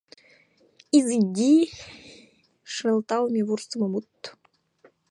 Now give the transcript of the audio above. Изыди — шылталыме, вурсымо мут.